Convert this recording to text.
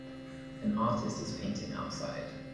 An artist is painting outside.